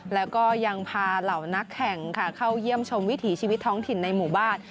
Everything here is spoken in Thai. แล้วก็ยังพาเหล่านักแข่งค่ะเข้าเยี่ยมชมวิถีชีวิตท้องถิ่นในหมู่บ้าน